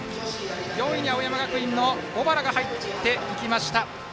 ４位に青山学院の小原が入っていきました。